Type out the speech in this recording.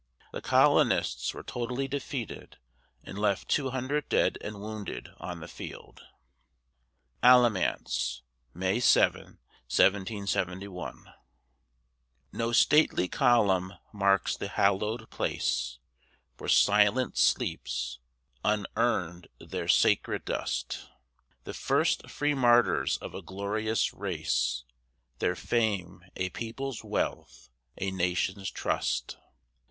The colonists were totally defeated and left two hundred dead and wounded on the field. ALAMANCE [May 7, 1771] No stately column marks the hallowed place Where silent sleeps, un urned, their sacred dust: The first free martyrs of a glorious race, Their fame a people's wealth, a nation's trust.